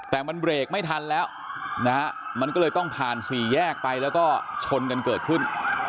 แต่มันเบรกไม่ทันแล้วนะฮะมันก็เลยต้องผ่านสี่แยกไปแล้วก็ชนกันเกิดขึ้น